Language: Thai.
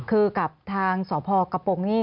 คือกับทางสพกระโปรงนี่